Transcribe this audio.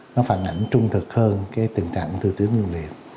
nó phản ảnh trung thực hơn cái tình trạng thư tuyến tuyến liệt